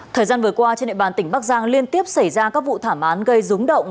trên địa bàn tỉnh bắc giang liên tiếp xảy ra các vụ thảm án gây rúng động